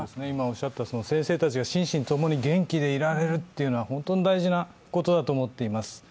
今おっしゃった先生たちが心身ともに元気でいられるというのは本当に大事なことだと思っています。